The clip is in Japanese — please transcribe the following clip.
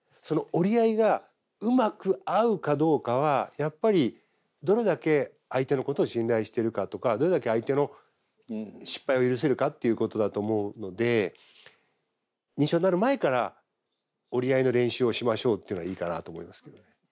その折り合いがうまく合うかどうかはやっぱりどれだけ相手のことを信頼しているかとかどれだけ相手の失敗を許せるかっていうことだと思うので認知症になる前から折り合いの練習をしましょうというのはいいかなと思いますね。